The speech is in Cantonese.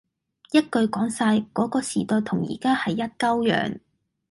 一句講晒，嗰個時代同依家係一鳩樣，